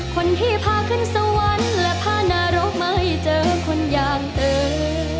คนที่พาขึ้นสวรรค์และพานรกไม่เจอคนอย่างตึง